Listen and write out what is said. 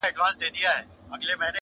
چي ته مزاج د سپيني آیینې لرې که نه,